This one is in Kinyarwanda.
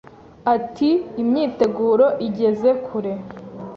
ati Imyiteguro igeze kure